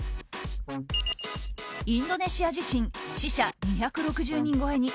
インドネシア地震死者２６０人超えに。